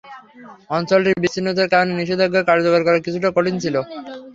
অঞ্চলটির বিচ্ছিন্নতার কারণে নিষেধাজ্ঞা কার্যকর করা কিছুটা কঠিন ছিল।